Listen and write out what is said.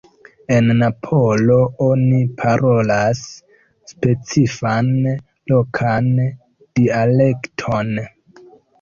En Napolo oni parolas specifan lokan dialekton.